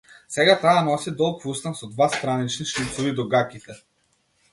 Сега таа носи долг фустан со два странични шлицови до гаќите.